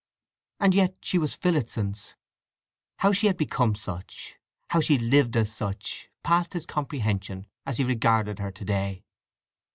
And yet she was Phillotson's. How she had become such, how she lived as such, passed his comprehension as he regarded her to day.